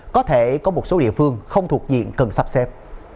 có thể có một số địa phương không thuộc diện cần sắp xếp